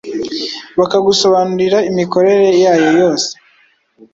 bakagusobanurira imikorere yayo yose